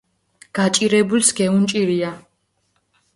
გაჭირებულს გეუნჭირია